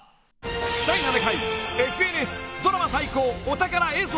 ［第７回ＦＮＳドラマ対抗お宝映像